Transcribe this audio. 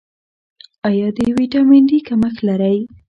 ایا د ویټامین ډي کمښت لرئ؟